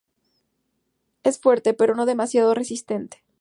Es fuerte pero no demasiado resistente.